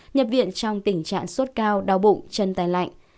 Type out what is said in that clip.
nhập viện trong tình trạng sốt cao đau bụng chân tay lạnh